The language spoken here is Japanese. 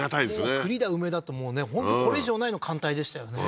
もう栗だ梅だともうね本当これ以上ないような歓待でしたよね